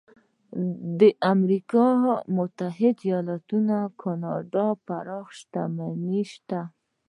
د امریکا متحده ایالتونو او کاناډا پراخه شتمني شته.